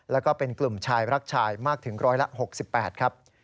แล้วก็เป็นกลุ่มชายรักชายมากถึงร้อยละ๖๘ครับ